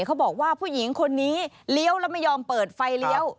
เขาบอกว่าผู้หญิงคนนี้เลี้ยวแล้วไม่ยอมเปิดไฟเลี้ยว